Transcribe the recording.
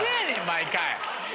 毎回。